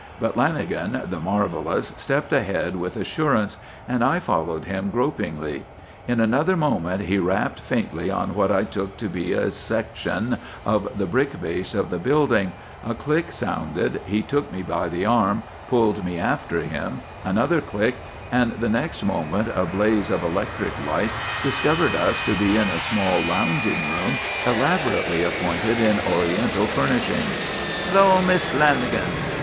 But Lanagan, the marvellous, stepped ahead with assurance and I followed him gropingly. In another moment he rapped faintly on what I took to be a section of the brick base of the building, a click sounded, he took me by the arm, pulled me after him, another click, and the next moment a blaze of electric light discovered us to be in a small lounging room elaborately appointed in Oriental furnishings. "Hullo, Mist' Lamagum!"